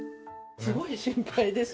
すごい心配です。